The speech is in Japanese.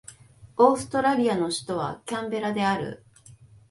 オーストラリアの首都はキャンベラである